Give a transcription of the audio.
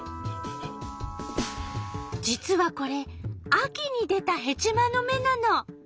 実はこれ秋に出たヘチマの芽なの。